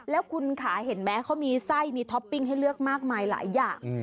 แล้วคุณขาเห็นไหมเขามีไส้มีท็อปปิ้งให้เลือกมากมายหลายอย่าง